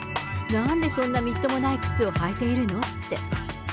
なんで、そんなみっともない靴を履いているの？って。